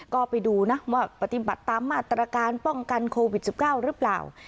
ก็ไปดูนะว่าปฏิบัติตามมาตรการป้องกันโควิด๑๙หรือเปล่า